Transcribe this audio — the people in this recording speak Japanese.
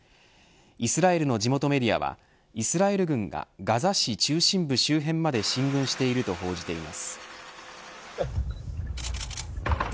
イスラエルの地元メディアはイスラエル軍がガザ市中心部周辺まで進軍していると報じています。